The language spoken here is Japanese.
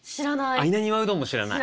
あっ稲庭うどんも知らない？